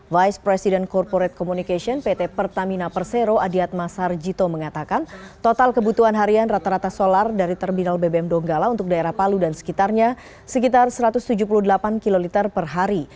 vice president corporate communication pt pertamina persero adiatma sarjito mengatakan total kebutuhan harian rata rata solar dari terminal bbm donggala untuk daerah palu dan sekitarnya sekitar satu ratus tujuh puluh delapan kiloliter per hari